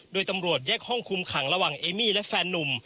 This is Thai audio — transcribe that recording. โดยตำรวจแยกห้องคุมขังระหว่างเอมี่และแฟนนุ่ม